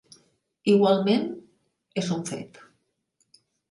Igualment és un fet.